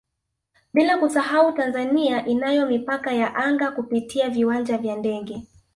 Bila kusahau Tanzania inayo Mipaka ya Anga kupitia viwanja vya ndege